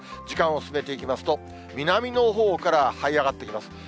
時間を進めていきますと、南のほうから、はい上がってきます。